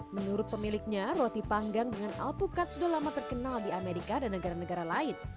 menurut pemiliknya roti panggang dengan alpukat sudah lama terkenal di amerika dan negara negara lain